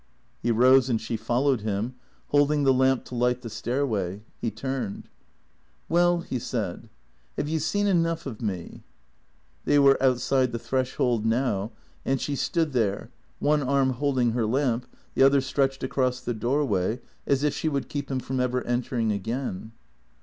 He rose and she followed him, holding the lamp to light the stairway. He turned. " Well," he said, " have you seen enough of me ?" They were outside the threshold now, and she stood there, one arm holding her lamp, the other stretched across the doorway, as if she would keep him from ever entering again.